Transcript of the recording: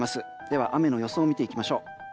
では、雨の予想を見ていきましょう。